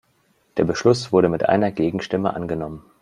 Der Beschluss wurde mit einer Gegenstimme angenommen.